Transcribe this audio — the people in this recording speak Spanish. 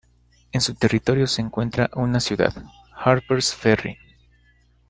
En su territorio se encuentra una ciudad, Harpers Ferry.